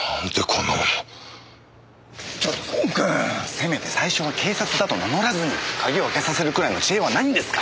せめて最初は警察だと名乗らずに鍵を開けさせるくらいの知恵はないんですか？